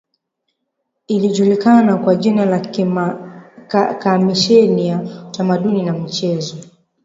Ilijulikana kwa jina la Kamisheni ya Utamaduni na michezo